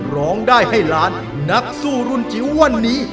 ร้องได้ให้ล้านนักสู้รุ่นจิ๋ววันนี้